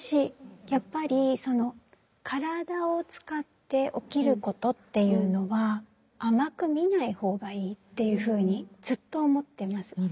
やっぱり体を使って起きることっていうのは甘く見ない方がいいっていうふうにずっと思ってます。